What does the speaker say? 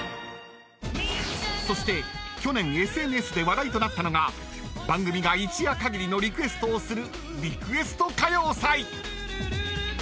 ［そして去年ＳＮＳで話題となったのが番組が一夜限りのリクエストをする］